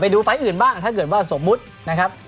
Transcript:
ดูไฟล์อื่นบ้างถ้าเกิดว่าสมมุตินะครับ